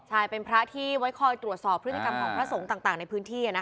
ใช่เป็นพระที่ไว้คอยตรวจสอบพฤติกรรมของพระสงฆ์ต่างในพื้นที่